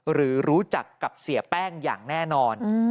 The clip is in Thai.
หรือรู้จักกับเสียแป้งอย่างแน่นอน